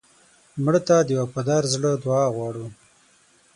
مړه ته د وفادار زړه دعا غواړو